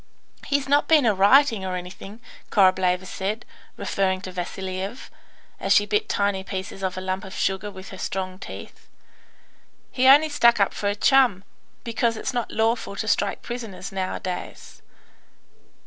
"He's not been a rioting, or anything," Korableva said, referring to Vasiliev, as she bit tiny pieces off a lump of sugar with her strong teeth. "He only stuck up for a chum, because it's not lawful to strike prisoners nowadays."